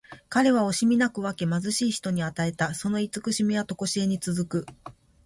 彼は惜しみなく分け、貧しい人に与えた。その慈しみはとこしえに続く。